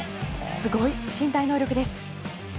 すごい身体能力です。